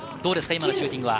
今のシューティングは。